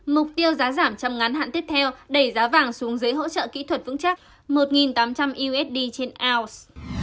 mục tiêu giá giảm trong ngắn hạn tiếp theo đẩy giá vàng xuống dưới hỗ trợ kỹ thuật vững chắc một tám trăm linh usd trên ounce